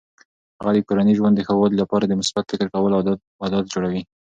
هغه د کورني ژوند د ښه والي لپاره د مثبت فکر کولو عادات جوړوي.